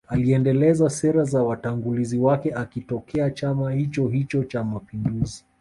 Aliendeleza sera za watangulizi wake akitokea chama hichohicho cha mapinduzi